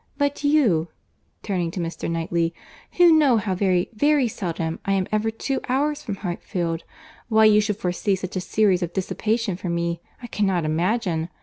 But you, (turning to Mr. Knightley,) who know how very, very seldom I am ever two hours from Hartfield, why you should foresee such a series of dissipation for me, I cannot imagine.